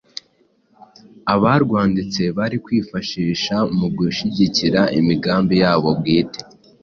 abarwanditse bari kwifashisha mu gushigikira imigambi yabo bwite.